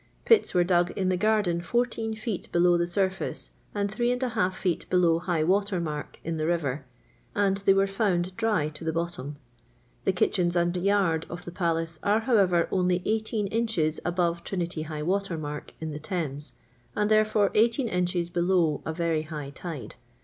Pits were dug in the garden 14 feet below the sur&ce, and 3^ feet below high water mark in the river, and they were found dry to the bottom. The kitcheu and yard of the palace are, however, only IS inches above Trinity high water mazk in the Thames, and therefore 18 inches below a very high tide.